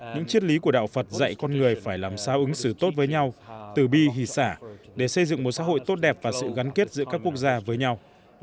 những chiếc lý của đạo phật dạy con người phải làm sao ứng xử tốt với nhau tử bi hì xả để xây dựng một xã hội tốt đẹp và sự gắn kết giữa các quốc gia với nhau